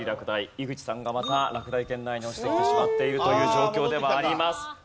井口さんがまた落第圏内に落ちてきてしまっているという状況ではあります。